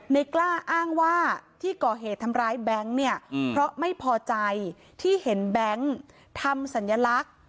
กล้าอ้างว่าที่ก่อเหตุทำร้ายแบงค์เนี่ยเพราะไม่พอใจที่เห็นแบงค์ทำสัญลักษณ์